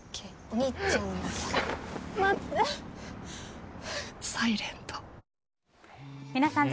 お兄ちゃん。